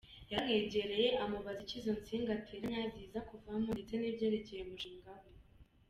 Yaramwegereye, amubaza icyo izo nsinga aterateranya ziza kuvamo ndetse n’ibyerekeye umushinga we.